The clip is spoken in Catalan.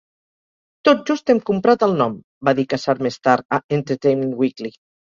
"Tot just hem comprat el nom", va dir Kassar més tard a "Entertainment Weekly".